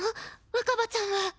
若葉ちゃんは。